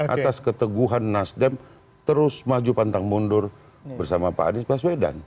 atas keteguhan nasdem terus maju pantang mundur bersama pak anies baswedan